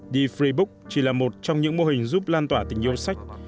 the free book chỉ là một trong những mô hình giúp lan tỏa tình yêu sách